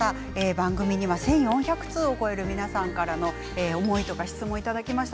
番組には１４００通を超える皆さんからの思いや質問をいただきました。